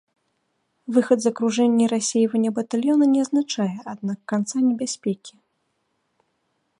Выхад з акружэння і рассейванне батальёна не азначае, аднак, канца небяспекі.